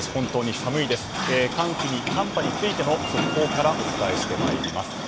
寒波についての速報からお伝えしてまいります。